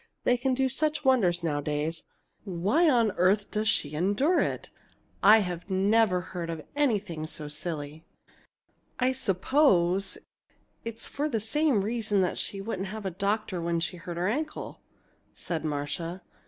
They can do such wonders nowadays. Why on earth does she endure it? I never heard of anything so silly!" "I suppose it's for the same reason that she wouldn't have a doctor when she hurt her ankle," said Marcia.